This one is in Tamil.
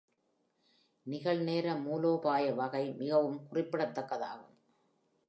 நிகழ்நேர மூலோபாய வகை மிகவும் குறிப்பிடத்தக்கதாகும்.